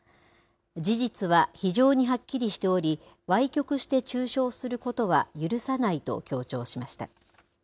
事実は非常にはっきりしており、わい曲して中傷することは許さないと強調しました。